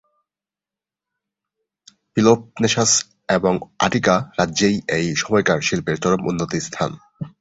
Peloponnesus এবং Attica রাজ্যেই এই সময়কার শিল্পের চরম উন্নতি-স্থান।